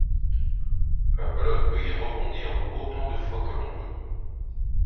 La pelote peut y rebondir autant de fois que l'on veut.